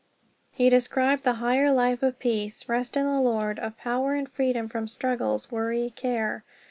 He described the higher life of peace, rest in the Lord, of power and freedom from struggle, worry, care.